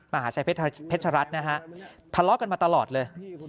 มหาชัยเพชรรัฐทะเลาะกันมาตลอดเลย